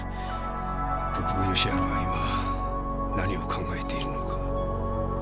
国府吉春は今何を考えているのか。